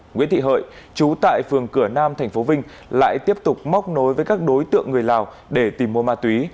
nguyễn thị hợi chú tại phường cửa nam tp vinh lại tiếp tục móc nối với các đối tượng người lào để tìm mua ma túy